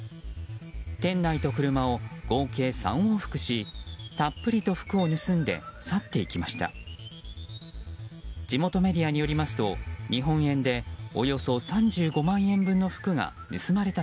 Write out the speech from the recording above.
店内と車を合計３往復したっぷりと服を盗んで去っていきました。